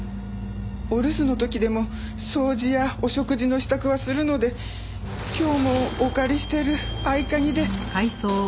お留守の時でも掃除やお食事の支度はするので今日もお借りしてる合鍵で。